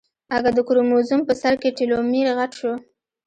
اگه د کروموزوم په سر کې ټيلومېر غټ شو.